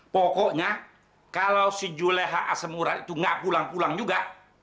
pokoknya kalau si juleha asemura itu nggak pulang pulang juga